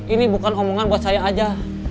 ini bukan omongan buat saya aja